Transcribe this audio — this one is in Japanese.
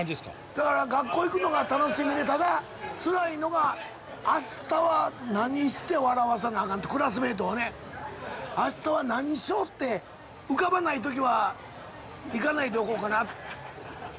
だから学校行くのが楽しみでただつらいのが明日は何して笑わさなあかんってクラスメートをね。明日は何しようって浮かばない時は行かないでおこうかなとかという。